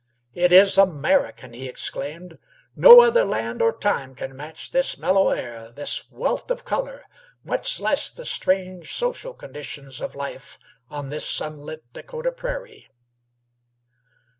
"It is American," he exclaimed. "No other land or time can match this mellow air, this wealth of color, much less the strange social conditions of life on this sunlit Dakota prairie."